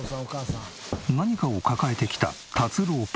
何かを抱えてきた達郎パパ。